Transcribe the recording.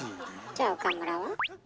じゃあ岡村は？